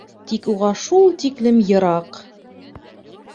Тик уға шул тиклем йыраҡ!